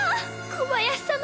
小林様。